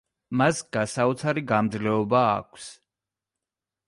მას გასაოცარი გამძლეობა აქვს.